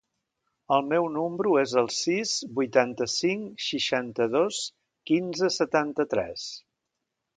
El meu número es el sis, vuitanta-cinc, seixanta-dos, quinze, setanta-tres.